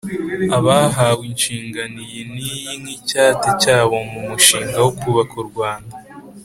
abahawe inshingano iyi n’iyi nk’icyate cyabo mu mushinga wo kubaka u Rwanda